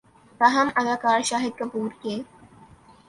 تاہم اداکار شاہد کپور کے